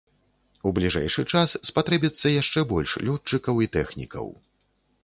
У бліжэйшы час спатрэбіцца яшчэ больш лётчыкаў і тэхнікаў.